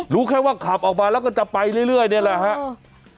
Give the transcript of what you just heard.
รู้แค่ว่าขับออกมาแล้วก็จะไปเรื่อยเรื่อยเนี่ยแหละฮะเออ